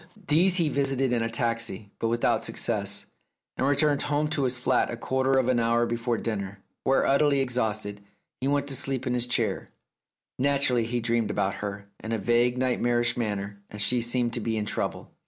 These he visited in a taxi, but without success, and returned home to his flat a quarter of an hour before dinner, where, utterly exhausted, he 280 The Tragedy of Oliver Bowman went to sleep in his chair. Naturally, he dreamed about her, in a vague nightmarish manner, and she seemed to be in trouble.